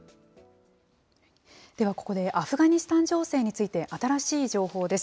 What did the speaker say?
では、ここでアフガニスタン情勢について新しい情報です。